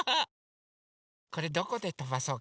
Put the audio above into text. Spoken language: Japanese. これどこでとばそうかな？